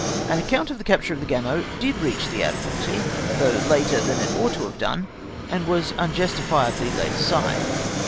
An account of the capture of the Gamo did reach the Admu alty, though later than it ous ht to have done, and was un justifiably laid aside.